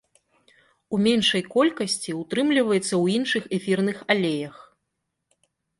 У меншай колькасці ўтрымліваецца ў іншых эфірных алеях.